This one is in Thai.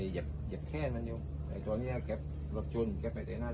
ย่าแขตุราศัทรีย์โบราศัทรีย์